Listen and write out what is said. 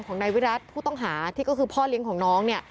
ของนายวิรัติผู้ต้องหาที่ก็คือพ่อเลี้ยงของน้องเนี่ย